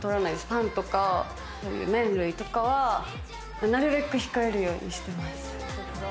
パンとか麺類とかはなるべく控えるようにしてます。